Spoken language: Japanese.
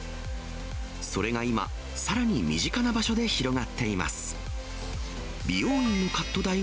それが今、さらに身近な場所で広がっています。